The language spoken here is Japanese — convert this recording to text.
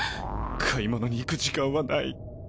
買い物に行く時間はない